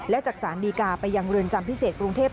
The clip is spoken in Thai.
และจากสารดีกาไปยังเรือนจำพิเศษกรุงเทพ